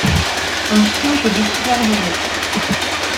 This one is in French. Un chien peut distraire d’un autre.